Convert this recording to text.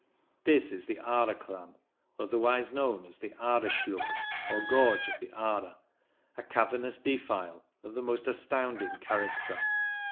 This is the Aare klamm, otherwise known as the Aare schlucht, or Gorge of the Aare, a cavernous defile of the most astounding character.